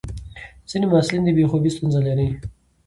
ځینې محصلین د بې خوبي ستونزه لري.